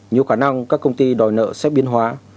nhiều khả năng các công ty đòi nợ sẽ biên hóa